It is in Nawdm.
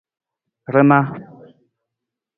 Rana.